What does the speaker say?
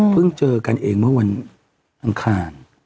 เจอกันเองเมื่อวันอังคาร